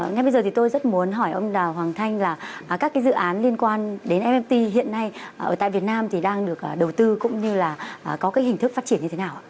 ngay bây giờ thì tôi rất muốn hỏi ông đào hoàng thanh là các cái dự án liên quan đến fpt hiện nay ở tại việt nam thì đang được đầu tư cũng như là có cái hình thức phát triển như thế nào